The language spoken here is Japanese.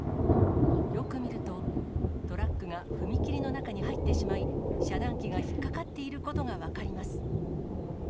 よく見ると、トラックが踏切の中に入ってしまい、遮断機が引っ掛かっていることが分かります。